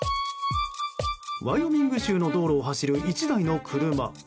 ワイオミング州の道路を走る１台の車。